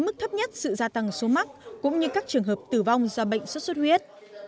mức thấp nhất sự gia tăng số mắc cũng như các trường hợp tử vong do bệnh xuất xuất huyết